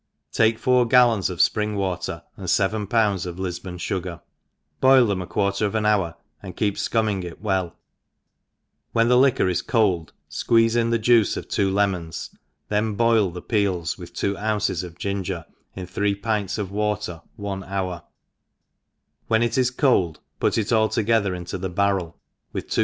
Take four gallons of fpring water, and fcveii pounds of Lifbon fugar, boil it a quarter of an hour, and keep fcumming it well i when the liquor id eold fqueeze in the juice of two le mons, then boil the peel with two ounces of ginger in three pints of water one hour ; when it is cold put it all together into a barrel, with \ tw« /v \*• ENGLISH taODSE ItEEtER.